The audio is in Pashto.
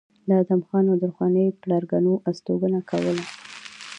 د ادم خان او درخانۍ پلرګنو استوګنه کوله